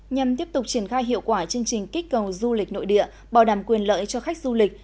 nhằm tiếp tục triển khai hiệu quả chương trình kích cầu du lịch nội địa bảo đảm quyền lợi cho khách du lịch